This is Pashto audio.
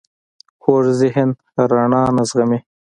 کوږ ذهن رڼا نه زغمي